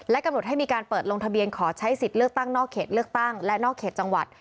กำหนดให้มีการเปิดลงทะเบียนขอใช้สิทธิ์เลือกตั้งนอกเขตเลือกตั้งและนอกเขตจังหวัด